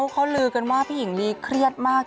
ก็เลยคิดว่าให้น้องอ่ะขึ้นมา